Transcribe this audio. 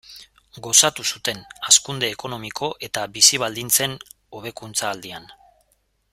Gozatu zuten hazkunde ekonomiko eta bizi-baldintzen hobekuntza aldian.